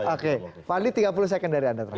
oke fadli tiga puluh second dari anda terakhir